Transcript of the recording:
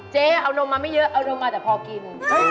เจ๊เอานมมาไม่เยอะเอานมมาแต่พอกิน